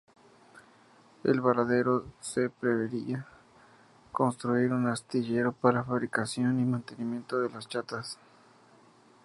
En Baradero se preveía construir un astillero para fabricación y mantenimiento de las chatas.